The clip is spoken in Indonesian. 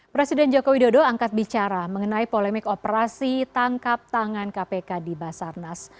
presiden joko widodo angkat bicara mengenai polemik operasi tangkap tangan kpk di basarnas